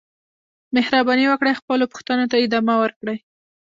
مهرباني وکړئ خپلو پوښتنو ته ادامه ورکړئ.